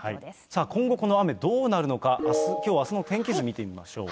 さあ、今後、この雨、どうなるのか、きょうあすの天気図見てみましょう。